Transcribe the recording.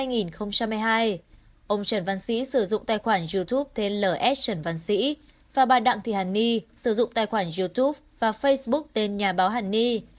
ông trần văn sĩ sử dụng tài khoản youtube tên l s trần văn sĩ và bà đặng thị hàn ni sử dụng tài khoản youtube và facebook tên nhà báo hàn ni